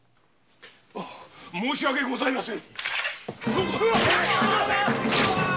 申し訳ございません。